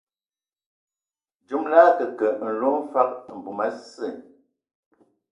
Dzom lə akǝkǝ nlo mfag mbum a sə.